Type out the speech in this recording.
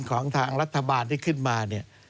ของทางรัฐบาลที่ขึ้นมา